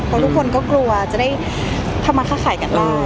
เพราะทุกคนก็กลัวจะได้ทำมาค่าขายกันได้